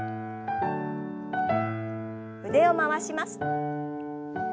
腕を回します。